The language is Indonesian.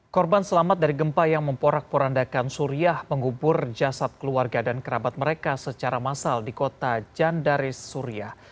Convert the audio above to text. korban selamat dari gempa yang memporak porandakan suriah mengubur jasad keluarga dan kerabat mereka secara massal di kota jandaris suria